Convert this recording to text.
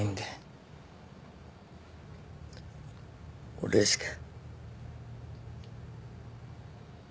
俺しか。